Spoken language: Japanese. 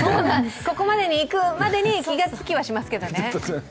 ここまでにいくまでに気がつきはしますけどね。